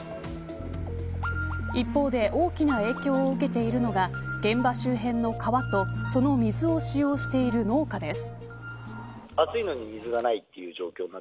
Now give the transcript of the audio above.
一方で大きな影響を受けているのが現場周辺の川とその水を使用している農家です。